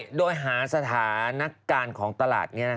ใช่ด้วยหาสถานการณ์ของตลาดนี้